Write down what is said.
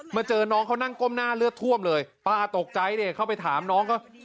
เจอน้องเขานั่งก้มหน้าเลือดท่วมเลยป้าตกใจดิเข้าไปถามน้องเขา